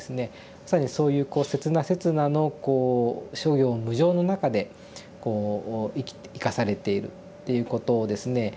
まさにそういうこう刹那刹那のこう諸行無常の中でこう生かされているっていうことをですね